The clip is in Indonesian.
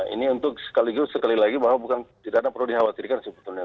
ini untuk sekaligus sekali lagi bahwa bukan tidak ada perlu dikhawatirkan sebetulnya